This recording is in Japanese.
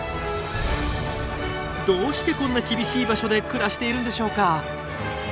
どうしてこんな厳しい場所で暮らしているんでしょうか？